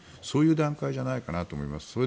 そういう段階じゃないかなと思います。